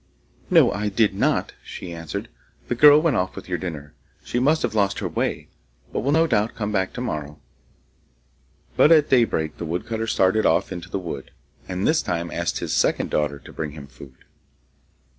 'No, I did not,' she answered; 'the girl went off with your dinner. She must have lost her way, but will no doubt come back to morrow.' But at daybreak the woodcutter started off into the wood, and this time asked his second daughter to bring his food.